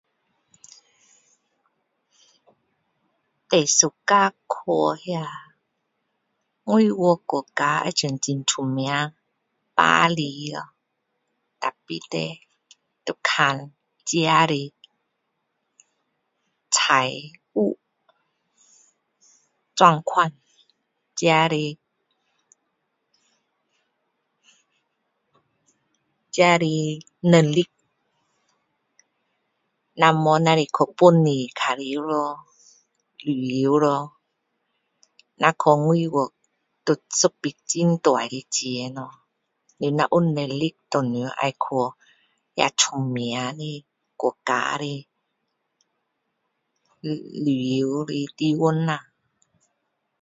最喜欢去那，外国国家好像很出名，巴黎咯。可是呢，要看自己的财务状况，自己的，自己的能力，那无就是去本地玩耍咯，旅游咯。那去外国是一笔很大的钱咯! 你如果有能力当然去那出名的国家的旅游的地方呐。